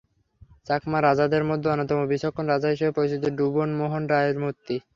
চাকমা রাজাদের মধ্যে অন্যতম বিচক্ষণ রাজা হিসেবে পরিচিত ভুবন মোহন রায়ের মূর্তি।